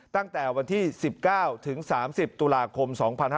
ตั้งแต่วันที่๑๙ถึง๓๐ตุลาคม๒๕๕๙